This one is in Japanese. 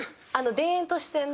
田園都市線の。